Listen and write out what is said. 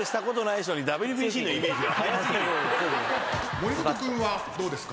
森本君はどうですか？